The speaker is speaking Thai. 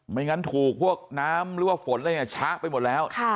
ไม่งั้นถูกพวกน้ำหรือว่าฝนอะไรอย่างนี้ชะไปหมดแล้ว